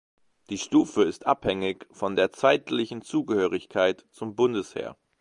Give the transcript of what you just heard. Die Stufe ist abhängig von der zeitlichen Zugehörigkeit zum Bundesheer.